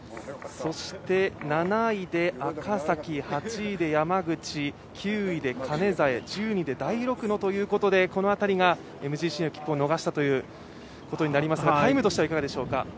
そして、７位で赤崎８位で山口、９位で兼実１０位で大六野ということでこの辺りがＭＧＣの切符を逃したということですが、タイムとしてはいかがでしょうか。